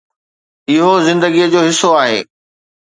اهو زندگيءَ جو حصو آهي.